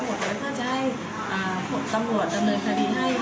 ไว้เพื่อจะให้อ่าตำรวจแต่มันเสียดีให้